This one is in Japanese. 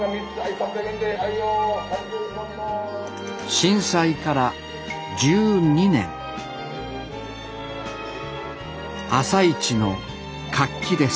震災から１２年朝市の活気です